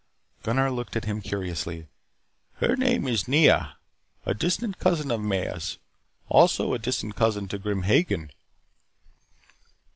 Gunnar looked at him curiously. "Her name is Nea. A distant cousin of Maya's. Also, a distant cousin to Grim Hagen."